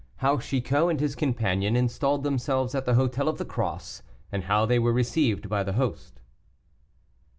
HOW CHICOT AND HIS COMPANION INSTALLED THEMSELVES AT THE HOTEL OF THE CROSS, AND HOW THEY WERE RECEIVED BY THE HOST.